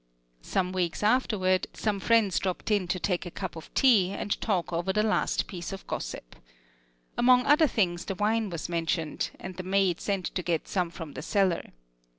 Some weeks afterward some friends dropped in to take a cup of tea and talk over the last piece of gossip. Among other things the wine was mentioned, and the maid sent to get some from the cellar.